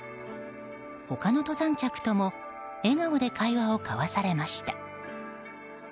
他の登山客とも笑顔で会話を交わされました。